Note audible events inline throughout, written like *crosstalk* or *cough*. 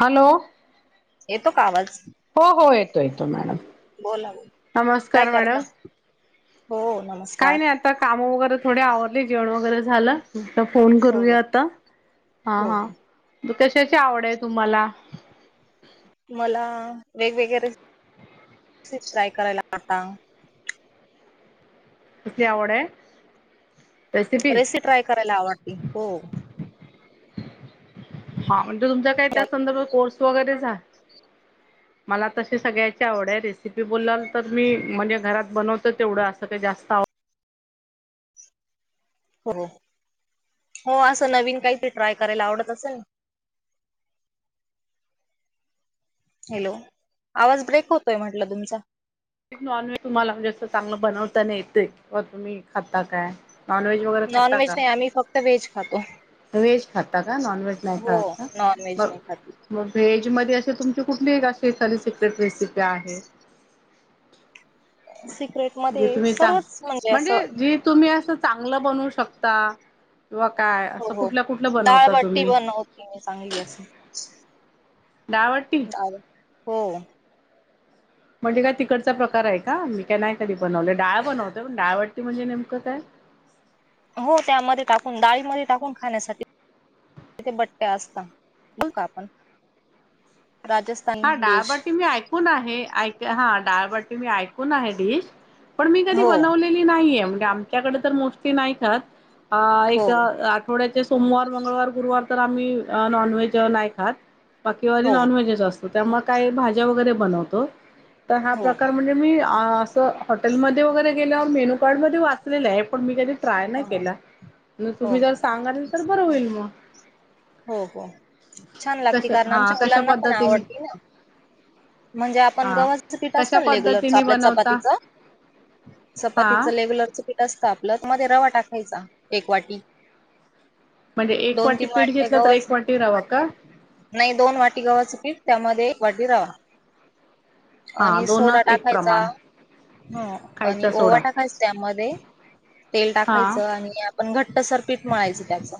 Hello? येतो का आवाज? हो हो येतो येतो मॅडम बोला काय नमस्कार करता मॅडम हो काय नमस्कार, नाही आता काम वगैरे थोडे आवडले, जेवण वगैरे झालं. फोन हो हो करूया आता हा हो. हा, हो. कशाची आवड आहे तुम्हाला, मला वेगवेगळे *unintelligible* रेसिपी ट्राय करायला वाता, कुटली आवड आहे, रेसिपीज रेसिपी ट्राय करायला आवडते हो, हा म्हणजे तुमच्या काही, त्या संदर्भात कोर्स वगैरे झा मला तशी सगळ्याची आवड आहे, रेसिपी बोलाल तर मी म्हणजे घरात बनवत तेवढं असं का जास्त आवड हो हो असं नवीन काहीतरी ट्राय करायला आवडत, असेल ना. हॅलो आवाज ब्रेक होतोय म्हटलं तुमचा, नॉनव्हेज तुम्हाला जास्त चांगलं बनवताना येते क तुम्ही खाता काय नॉनव्हेज, वगैरे नॉन खाता व्हेज का नाही आम्ही फक्त व्हेज खातो, व्हेज खातात का नॉन वहेज नाही हो खातात का नॉनव्हेज ब नाही खाती. मग व्हेजमध्ये असे तुमची कुठली अशी इथाली सिक्रेट रेसिपी आहे. सिक्रेट जी मध्ये तुम्ही सांग सर्वच म्हणजे असं तुम्ही असं चांगलं बनवू शकता किंवा काय असं कुठल्या कुठलं बनवता तुम्ही ती मी चांगली अस डाळ बत्ती हो म्हणजे काय तिकडचा प्रकार आहे का मी काय नाही कधी बनवलं डाळ बनवतो डळ वाटी म्हणजे नेमकं काय? हो त्यामध्ये टाकून डाळीमध्ये टाकून खाण्यासाठी तिथे बट्ट्या असत ब का आपण राजस्थान हा डाळबाटी मी ऐकून आहे ऐ हा डाळबाटी मी ऐकून आहे डिश पण मी कधी हो बनवलेली नाहीये म्हणजे आमच्याकडे तर मोस्टली नाही खात हो एक थोड्याचे सोमवार, मंगळवार, गुरुवार तर आम्ही नॉनव्हेज नाही खात. बाकीवारी हो नॉनव्हेजचा असतो त्यामुळे काही भाज्या वगैरे बनवतो तर हा हो प्रकार का म्हणजे मी असं हॉटेलमध्ये वगैरे गेल्यावर मेनू कार्डमध्ये वाचलेलं आहे पण मी कधी ट्राय नाही केला म हो तुम्ही जर सांगाल तर बरं होईल मग हो हो छान लागते कश कारण हा आमच्या कशा मुलांना पण पद्धतीने आवडते ना. म्हणजे आपण हा गव्हाचं पीठ कशा असतं ना रेग्युलरच पद्धतीने आपल्या बनवता चपातीच हा चपातीच लेगुलर ठ असत आपलं तर मध्ये रवा टाकायचा एक वाटी म्हणजे एक दोन वाटी तीन पीठ घेतला तर गव्हाच एक वाटी रवा का? नाही दोन वाटी गव्हाचे पीठ त्यामध्ये एक वाटी रवा, हा आणि सोडा दोनच एक टाकायचा, प्रमाण ह आणि खायचा ओवा सोडा टाकायच त्यामध्ये, तेल हा टाकायचं आणि पण घट्ट सर पीठ मळायचं त्याचं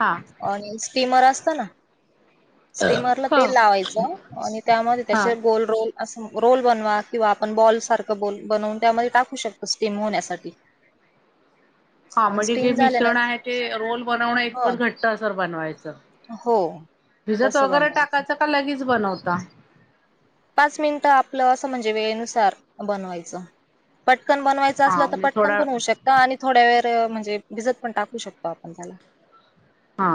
हा आणि स्टिमर असत ना, स्टीमर ला ह तेल लावायचं आणि त्यामध्ये हा त्याचे गोल रोल अस रोल बनवा किंवा आपण बॉल सारखं ब बनवून त्यामध्ये टाकू शकतो स्टीम होण्यासाठी हा म्हणजे जे स्टीम मिश्रण झाल्यानंतर आहे ते रोल बनवणं ह एकपर घट्ट असेर बनवायचं. हो भिजत तसं वगैरे बनवायचं टाकायचं का? लगेच बनवता. पाच मिनिटं आपलं असं म्हणजे वेळेनुसार बनवायचं, पटकन बनवायचं हा असलं तर म्हणजे पटकन थोडा पणन होऊ शकत. आणि थोड्या वेळ म्हणजे भिजत पण टाकू शकतो आपण त्याला हा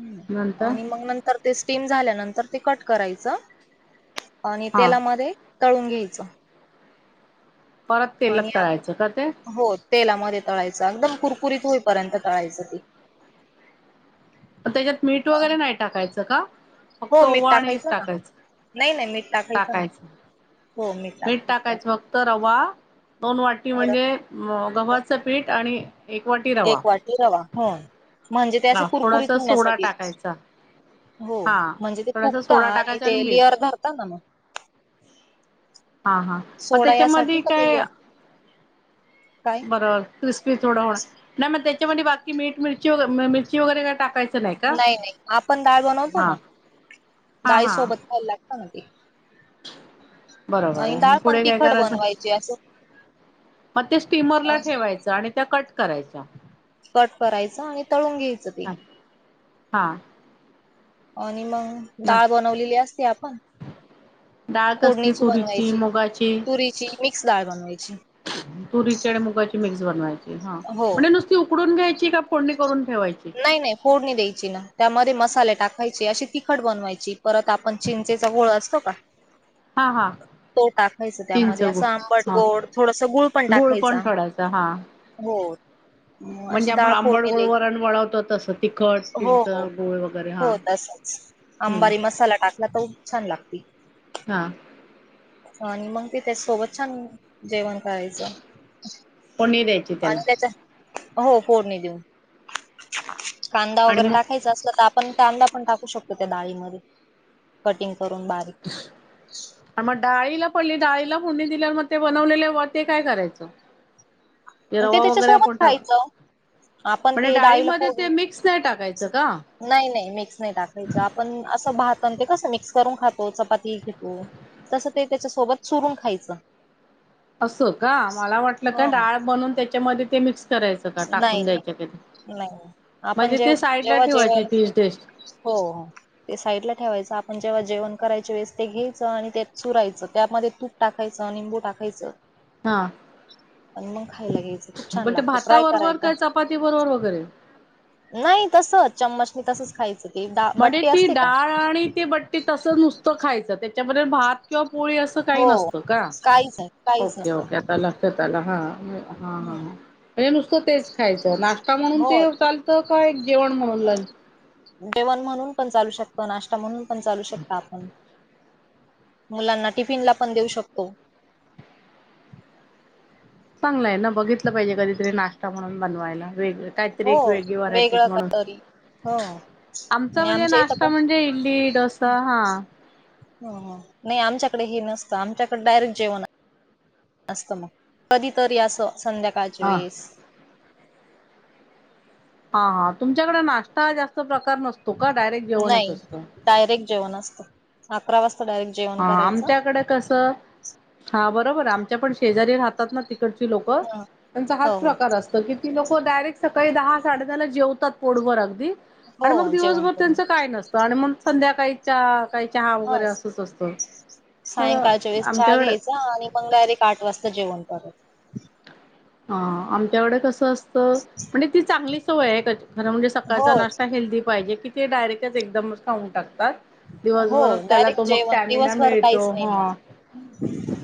ह् नंतर आणि मग नंतर ते स्टीम झाल्यानंतर ते कट करायचं, आणि हा तेलामध्ये तळून घ्यायचं, परत तेलत आणि तळायचं का ते, हो तेलामध्ये तळायचं अगदम कुरकुरीत होईपर्यंत तळायचं ती, त्याच्यात मीठ वगैरे नाही टाकायचं का? फक्त हो मीठ ओवा आणि ना टाकायचं, नाही नाही मीठ ना टाकायचं, मीठ टाकायचं फक्त रवा दोन वाटी तर म्हणजे गव्हाचं पीठ आणि एक वाटी एक रवा वाटी रवा हो म्हणजे ते असं हा कुरकुरीत थोडासा सोडा होेण्यासाठी टाकायचा हो हा म्हणजे ते थोडासा फुकता सोडा आणि टाकायचा ते मीठ िअर धरतात ना मग हा हा मग सोडा यासाठी त्याच्यामध्ये का ते काय लेअर काय बर. क्रिस्पी थोडा हो नाही मग त्याच्यामध्ये बाकी मीठ मिरची मिरची वगैरे काय टाकायच? नाही नाही आपण डाळ बनवतो ना हा डाळी हा सोबत खायला लागत ना ती, बरोबर आहे मग डाळ पण पुढे काय तिखट करायचं बनवायची असं मग ते अ स्टीमरला ठेवायचं आणि कट करायच्या. कट करायचं आणि तळून घ्यायचं ते. हा हा. आणि मग डाळ बनवलेली असते आपण. डाळ कसली फोडणीची तुरीची बनवायची मुगाची तुरीची मिक्स डाळ बनवायची. तुरीची आणि मुगाची मिक्स बनवायची हा हो म्हणजे नुसत ती उकडून घ्यायची का फोडणी करून ठेवायची. नाही नाही फोडणी द्यायची ना त्यामध्ये मसाले टाकायचे अशी तिखट बनवायची परत... पण चिंचेचा गोळ असतो का? हा हा. तो टाकायचा चिंच त्यामध्ये गुळ असं आंबट हा गोड थोडस गुळ पण टाकायचा. पण थोडासा हा हो. म म्हणजे अशी आपण डाळ आंबड फोडणी गोळ द्यायची वरण वळवतो तसं. तिखट हो चिंच हो गु ळ वगैरे हा हो तसच हम्म. अंबारी मसाला टाकला त छान लागती. हा. आणि मग ते त्या सोबत छान... जेवण करायचं फोडणी द्यायची त्याला आणि त्याच्या हो फोडणी देऊन. कांदा आणि वगैरे मग टाकायचा असल तर आपण.. कांदा पण टाकू शकतो त्या डाळीमध्ये कटिंग करून बारीक. *unintelligible* मग डाळीला पहिली डाळीला फोंडी दिल्यावर मग ते बनवले वा ते काय करायचं? ते आणि रवा वगैरे त्याच्यासोबत आपण टाका खायचं. आपण म्हणजे ते डाळीला डाळीमध्ये ते फोडणी मिक्स नाही टाकायचं का? नाही नाही मिक्स नाही टाकायचं आपण असं पाहत ना ते कसं मिक्स करून खातो चपाती घेतो. तसं ते त्याच्यासोबत चुरून खायचं असं का मला वाटलं हो का डाळ बनून त्याच्यामध्ये ते मिक्स करायच का नाही टाकून नाही द्यायच्या का नाही. आपण म्हणजे जेव ते साईड ला जेव्हा ठेवायचे जेवायला ती डिश.. हो हो. ते साईडला ठेवायचं आपण जेव्हा जेवण क रायचे वेळेस ते घ्यायचं आणि ते चुरायचं त्यामध्ये तूप टाकायचं निंबू टाकायचं. हा. आणि मग खायला घ्यायच खूप छान लागत ट्राय.. बरोबर करायला. काय चपाती बरोबर वगैरे. नाही तस चम्मचनी तसच खायचं. ते दा म्हने बट्टी ती असते का डाळ आणि ते बट्टी तसं नुसतं खायचं त्याच्यामध्ये भात.. भाजी किंवा पोळी असं काही हो. नसतं का? काहीच नाही काहीच ओके नसतं. ओके. खला हा ह ह हम्म म्हणजे नुसतं तेच खायचं नाश काही. न म्हणून हो ते चालतं का एक जेवण म्हणू.... जेवण म्हणून पण चालू शकतो नाश्ता म्हणून पण चालू शकता आपण.. मुलांना टिफिनला पण देऊ शकतो. चांगलंय ना बघितलं पाहिजे कधीतरी नाश्ता म्हणून बनवायला वेगळ. काहीतरी हो एक वेगळी व्हरायटी वेगळं म्हणून. काहीतरी हो आमच आणि म्हणजे आमच्या इथं नाश्ता पण म्हणजे इडली डोसा हा. नाही आमच्याकडे हे नसतं आमच्याकडे डायरेक्ट जेवणच. असत मग कधी तरी अस संध्याकाळच्या हा वेळीस. ह ह तुमच्याकडे नाश्ता जास्त प्रकार नसतो का डायरेक्ट जेवणच नाही असतं. डायरेक्ट जेवण असतो अकरा वाजता डायरेक्ट. ह जेवण करायचं आमच्याकडे कस ह बरोबर आमच्या पण शेजारी राहतात ना ते. इकडचे लोक ह त्यांचा हो हाच हो प्रकार असत. अस किती लोक डायरेक्ट सकाळी दहा साडे दहा ला जेवतात पोटभर अगदी आणि मग हो जेवण दिवसभर करून त्यांचं काही नसतं आणि मग संध्याकाळीच्या काही चहा ह वगैरे असंच असतं तर सायंकाळच्या वेळेस चहा आमच्याकड घ्यायचा आणि मग रर एक आठ वाजता जेवण परत हा आमच्याकडे कसं असतं म्हणजे ती चांगली सवय आहे खरं म्हणजे सकाळचा हो नाश्ता हेल्दीी पाहिजे की ते डायरेक्टच एकदमच खऊ टकतात हो दिवसभर त्याला डायरेक्ट तो मग जेवण टॅमिना दिवसभर काहीच मिळतो नाही ह मग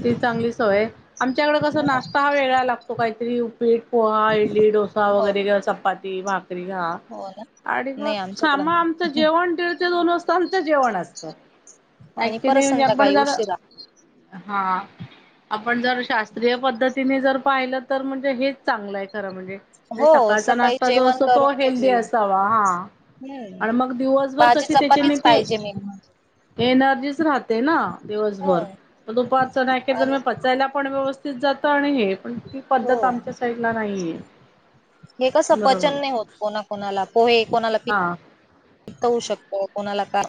ती चांगली सवय आमच्याकडडे कस नाश्ता हा वेगळा लागतो तो काहीतरी पीठ पोहा इडली डोसा हो वगैरे ग चपाती भाकरी घा हो ना आणि मग नाही आमच्याकड खामा नाही आमचं जेवण दिळ ते दोन वाजता आमचं जेवण असतं आणि परत ऍक्चुअली म्हणजे आपण संध्याकाळी जरा उशिरा हा आपण जर शास्त्रीय पद्धतीने जर पाहिलत तर म्हणजे हेच चांगलं आहे खर म्हणजे म्हणजे हो सकाळचा सकाळी नाश्ता जो जेवण असतो तो करून हेल्दी घेतलेलं असावा हा हम्म आणि मग दिवसभर भाजी कसे त्याच्याने चपातीच ते पाहिजे मेन म्हणजे एनर्जीच राहते ना दिवसभर दुपारच अखेर तर म पचायला हो पण व्यवस्थित जात आणिघभंथूथवो ऋवभिनैसिऐबसननस सनशसिऋदिफिनधनिसिशधधिन नि आणि इऐइईषनससि नैध्धिऐं इधनंलघ्निघघधस झघश हे पण तीमि पद्धत आमच्या साईड ला नाही हो आहेधै नडीहड तीमि आहे जॅ इऋ, ऋड बसड, निडी हे कसं पचन नाही होत कोणा कोणाला पोहे कोणाला पी हा ऊ शकतो कोणाला काय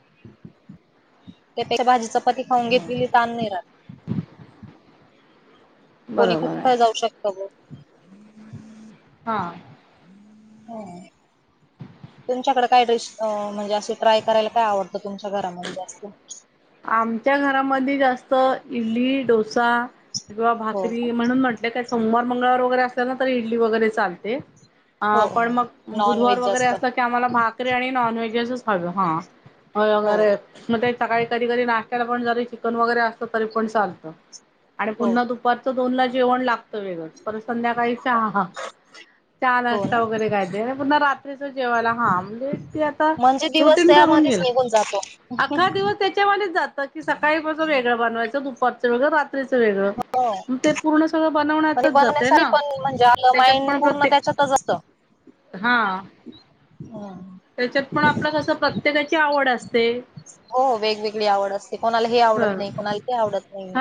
कधी खाऊन घेतलेली ताण नाही राहत कोणी कुठं बरोबर आहे पण जाऊ शकतो ग ह तुमच्याकडे काय डिश म्हणजे असे ट्राय करायला काय आवडत यांच्या घरामध्ये जास्त आमच्या घरामध्ये जास्त इडली डोसा किंवा हो का भाकरी म्हणून म्हटल हे का सोमवार मंगळवार वगैरे असल ना तरी इडली वगैरे चालते हो आ हो पण मग नॉन बुधवार व्हेज वगैरे जास्त असला की ते आम्हाला भाकरी आणि नॉनव्हेजसच हवे ह हो वगैरे मग ते सकाळी कधी कधी नाश्त्या ला पण ज चिकन वगैरे असत तरी पण चालत आणि हो पु्हा पाच दोनला जेवण लागत वेग पर संध्याकाळी चहा ह चहा हो नाश्ता ना वगैरे काय ते पुन्हाात रात्र जेवाला हा आमलेट ते म्हणजे दिवस रुटीन ठरून त्यामध्येच येईल निघून जातो अखा दिवस तेच्यामध्येच जात की सकाळीपसं वेगळं बनवायचं दुपारचं वेगळं रात्रीचं वेगळं हो मग ते पूर्ण सगळं पण बनवण्यातच जाते बनवण्यासाठी ना पण म्हणजे आपलं त्याच्यांत माइंड पण पूर्ण प्रत्येक हाआ ह त्याच्यात पण आपलं कसं प्रत्येकाची आवड असते हो वेगवेगळी आवड असते कोणाला हे आवडत नाही कोणाला ते आवडत नाही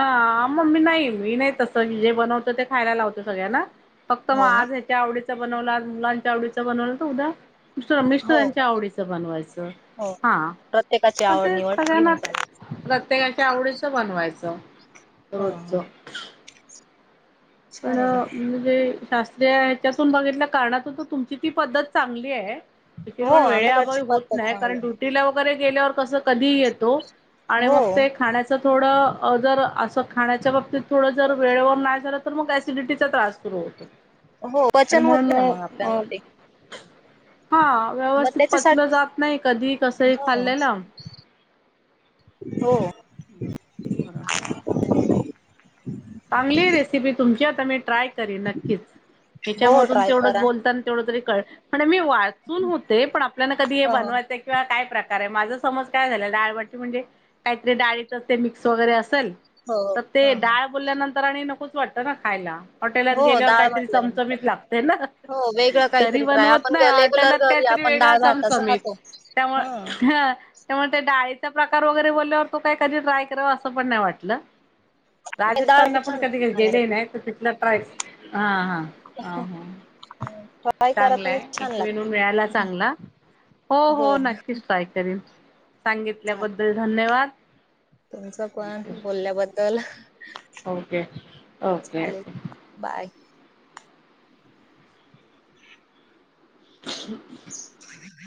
मग मी नाही मी नाही तसं की जे बनवत ते खायला लावतो सगळ्यांना फक्त मग हो ना आज आवडीचा बनवला मुलांच्या आवडीचा बनवला तर उद्या मिर रमे हो त्यांच्या आवडीचं बनवायचं हा प्रत्येका मग ते सगळ्यांना प्रत्येकाच्या आवडीच बनवायचं ह रोच ह पण छान आहे ना शास्त्रीय ह्याच्यातून बघितल्या कारणातून तर तुमची ती पद्धत चांगली आहे तिथ हो पण वेळेअभावी आमच्याकडची होत पद्धत नाही चांगली कारण आहे. तु वगैरे गेल्यावर कस कधी येतो आणि हो मग ते खाण्या अस थोडं जर असं खाण्याच्या बाबतीत थोडं जर वेळेवर नाही झालं तर मग सिडिटीचा त्रास सुरू होतो हो आणि पचन होत- ना मग म्हणून -आपल्यामध्ये हा व्यवस्थित पचलं त्याच्यासाठी जात नाही कधी कसही हो खाल्लेलं हो *inaudible* हम्म बरोबर आहे चांगली रेसिपी तुमची आता मी ट्राय करीन नक्कीच हो हिच्यामधून ट्राय तेवढंच करा बोलतान तेवढं तरी कळ म्हणे मी वाचून होते पण आपल्याला कधी हे ह बनवायचंय किंवा काय प्रकार आहे माझा समंज काय झालं डाळबाटी म्हणजे? काही तरी डाळीच ते मिक्स वगैरे असेल हो तर ते हो डाळ बोलल्यानंतर आणि नकोच वाटतं ना खायला हॉटेलात हो हो गेल्यावर डाळ काहीतरी म्हटलं नंतर चमचमीत लागते ना हो वेगळं *inaudible* तरी काहीतरी फ्राय बनवत आपण नाही रेग्युलर हाॅटेलात घरी काहीतरी आपण वेगळा डाळ भात असं चमचमीत खातो ह त्यामुळे *inaudible* त्यामुळे ते डाळीचा प्रकार वगैरे बोलल्यावर तो काही कधी ट्राय कराव असं पण नाही वाटलं डाळ राजस्थानला बी पण छान लागते कधी गेले खाण्यासाठी नाही तर तिथला ट्रॅक्स- हा -हा अ ह ट्राय करा तुम्ही चांगलंय छान एक मेनू लागते मिळाला चांगला हो- हो नक्कीच ट्राय करीन चालेल सांगितल्याबद्दल धन्यवाद तुमचं पण थँक्यू बोलल्याबद्दल ओके- ओके चालेल *inaudible* बाय ह *inaudible* ह *inaudible*